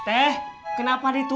lebih jauh sekali